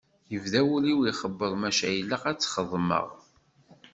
Yebda wul-iw ixebbeḍ maca ilaq ad tt-xedmeɣ.